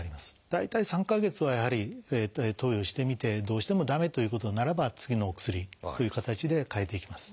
大体３か月はやはり投与してみてどうしても駄目ということならば次のお薬という形で替えていきます。